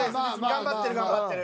頑張ってる頑張ってる。